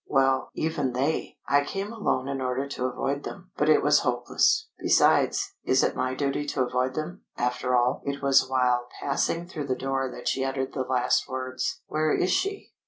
Well, even they ! I came alone in order to avoid them. But it was hopeless. Besides, is it my duty to avoid them after all?" It was while passing through the door that she uttered the last words. "Where is she?"